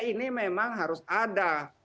ini memang harus ada